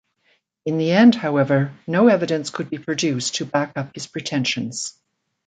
In the end, however, no evidence could be produced to back up his pretensions.